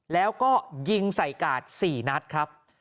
แล้วก็ยิงใส่กาด๔นัดครับ